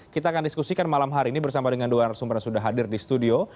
kita akan diskusikan malam hari ini bersama dengan dua narasumber yang sudah hadir di studio